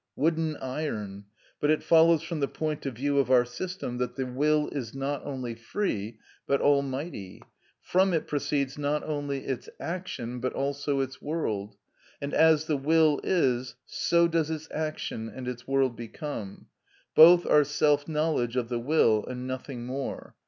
—wooden iron! But it follows from the point of view of our system that the will is not only free, but almighty. From it proceeds not only its action, but also its world; and as the will is, so does its action and its world become. Both are the self knowledge of the will and nothing more.